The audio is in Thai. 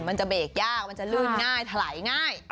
มันจะเบรกยากมันจะลื่นง่ายถลายง่าย